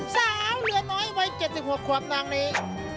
สาวเหลือน้อยวัยเจ็ดสิบหวัดครวัดนางนี้